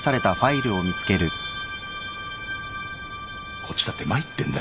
こっちだって参ってんだよ。